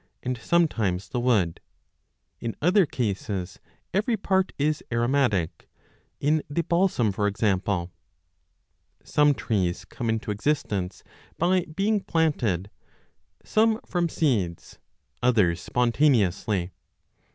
646 8 PLANTIS sometimes the wood ; in other cases every part is aromatic, in the balsam for example. Some trees come into existence by being planted, some 30 from seeds, others spontaneously.